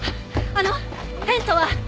あのテントは？